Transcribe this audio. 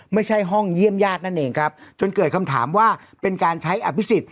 ไม่ใช่ห้องเยี่ยมญาตินั่นเองครับจนเกิดคำถามว่าเป็นการใช้อภิษฎ